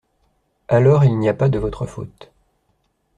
Alors, il n’y a pas de votre faute.